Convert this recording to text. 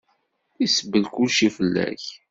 Isebbel kulci fell-ak.